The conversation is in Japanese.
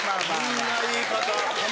・そんな言い方